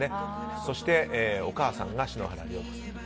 そして、お母さんが篠原涼子さん。